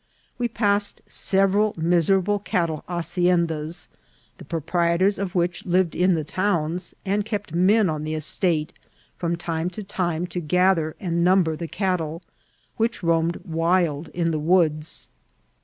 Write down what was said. We passed several misera ble cattle haciendas, the proprietors of which lived in the towns, and kept men on the estate, from time to time, to gather and number the cattle, which roamed wild in the woods.